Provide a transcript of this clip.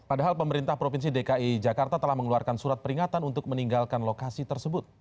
padahal pemerintah provinsi dki jakarta telah mengeluarkan surat peringatan untuk meninggalkan lokasi tersebut